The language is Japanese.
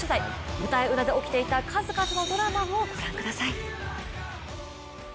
舞台裏で起きていた数々のドラマをご覧ください。